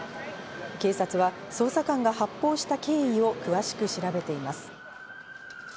警察は捜査官が発砲した経緯を詳しく調べています。